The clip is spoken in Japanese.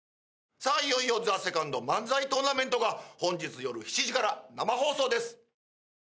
さあ、いよいよＴＨＥＳＥＣＯＮＤ漫才トーナメントが本日夜７時から生放送です。